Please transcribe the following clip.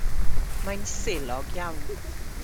Mae'n selog iawn.